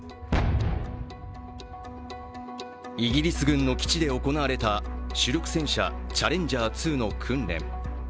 イギリス軍の基地で行われた主力戦車・チャレンジャー２の訓練。